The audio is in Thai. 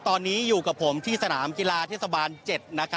ตอนนี้อยู่กัากับผมที่สนามเกราะเทศบรรษ๗